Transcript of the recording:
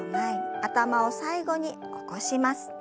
頭を最後に起こします。